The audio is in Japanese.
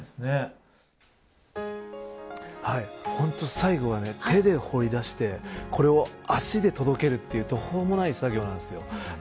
最後は手で掘り出してこれを足で届けるという途方もない作業なんです。